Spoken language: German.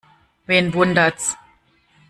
Wen wundert's?